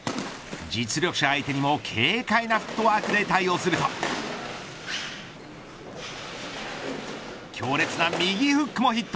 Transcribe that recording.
実力者相手にも軽快なフットワークで対応すると強烈な右フックもヒット。